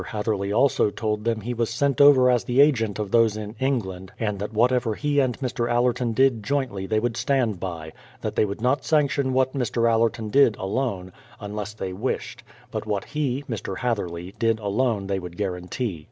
Hatherley also told them he was sent over as the agent of those in England, and that whatever he and Mr. Allerton did jointly they would stand by; that they would not sanction what Mr. Allerton did alone, un THE PLYMOUTH SETTLEMENT 221 less they wished; but what he (Mr. Hatherley) did alone they would guarantee.